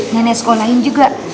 nenek sekolahin juga